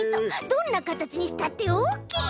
どんなかたちにしたってオッケー！